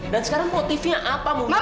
dan sekarang motifnya apa bu wiwid